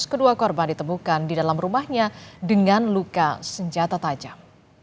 kedua korban ditemukan di dalam rumahnya dengan luka senjata tajam